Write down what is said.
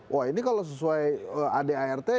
wah ini kalau sesuai adart